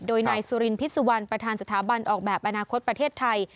โดยนายสุรินพิษสุวรรณประธานสถาบันออกแบบอนาคตประเทศไทย